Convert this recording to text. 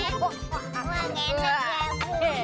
wah nenek labu